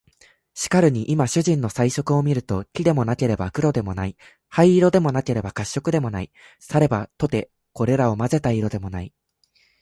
しかるに今主人の彩色を見ると、黄でもなければ黒でもない、灰色でもなければ褐色でもない、さればとてこれらを交ぜた色でもない